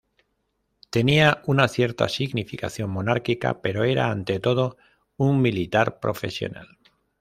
Tenía una cierta significación monárquica pero era, ante todo, un militar profesional.